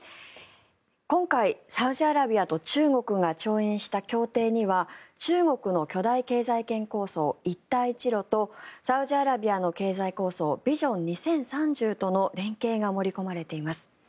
今回、サウジアラビアと中国が調印した協定には中国の巨大経済圏構想一帯一路とサウジアラビアの経済抗争ビジョン２０３０との連携が盛り込まれています。